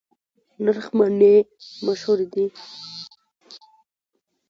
نرخ مڼې مشهورې دي؟